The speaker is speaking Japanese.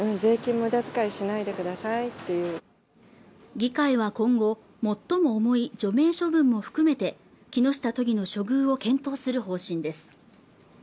議会は今後最も重い除名処分も含めて木下都議の処遇を検討する方針です